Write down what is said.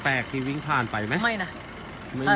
ที่วิ่งผ่านไปไหมไม่นะ